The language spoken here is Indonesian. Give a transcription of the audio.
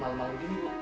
malu malu gini bu